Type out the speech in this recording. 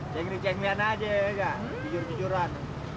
cengri cengrian aja ya kan jujur jujuran